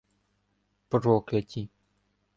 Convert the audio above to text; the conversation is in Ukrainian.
— Прокляті!.